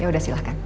ya udah silahkan